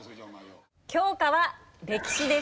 教科は歴史です。